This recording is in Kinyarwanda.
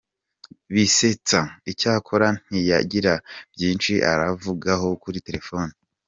Bisetsa, icyakora ntiyagira byinshi aruvugaho kuri telefoni.